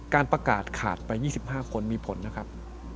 การประกาศขาดไป๒๕คนมีผลนะครับ